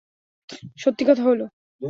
সত্যি কথা হল?